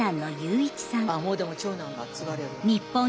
あもうでも長男が継がれる。